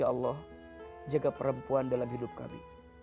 ya allah jaga perempuan dalam hidup kami